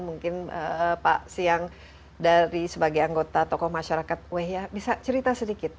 mungkin pak siang dari sebagai anggota tokoh masyarakat wehya bisa cerita sedikit